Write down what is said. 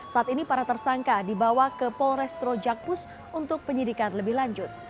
saat ini para tersangka dibawa ke polrestro jakpus untuk penyidikan lebih lanjut